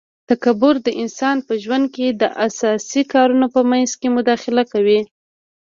تکبر د انسان په ژوند کي د اساسي کارونو په منځ کي مداخله کوي